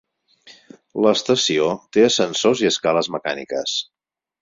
L'estació té ascensors i escales mecàniques.